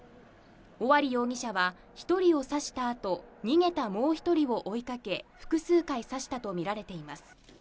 尾張容疑者は１人を刺した後、逃げたもう１人を追いかけ、複数回刺したとみられています。